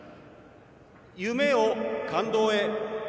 「夢を感動へ。